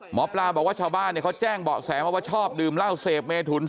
หมอปลาบอกว่าชาวบ้านเขาแจ้งเบาะแสวว่าชอบดื่มเล่าเสพเมทุนซุกษีการี้ไปถึงเนี่ย